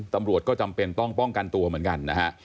ตำรวจก็จำเป็นต้องป้องกันตัวเหมือนกันนะฮะ